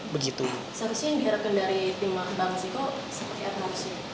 seharusnya yang diharapkan dari tim bank siko seperti apa